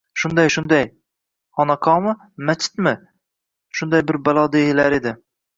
— Shunday-shunday. Xonaqomi, machitmi... shunday bir balo deyilar edi.